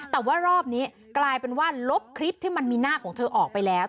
แต่ว่ารอบนี้กลายเป็นว่าลบคลิปที่มันมีหน้าของเธอออกไปแล้ว